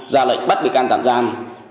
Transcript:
ra lệnh bắt bị can tạm giam